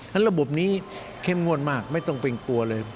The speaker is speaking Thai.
ฉะระบบนี้เข้มงวดมากไม่ต้องเป็นกลัวเลย